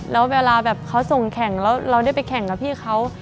แล้วเวลาแบบเขาส่งแข่งแล้วเราได้ไปแข่งกับพี่เขา